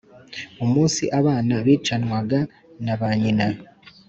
umunsi abana bicanwaga na ba nyina.